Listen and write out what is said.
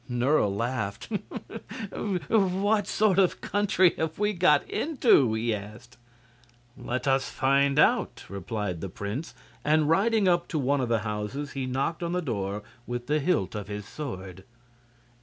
Nerle laughed. "What sort of country have we got into?" he asked. "Let us find out," replied the prince, and riding up to one of the houses he knocked on the door with the hilt of his sword.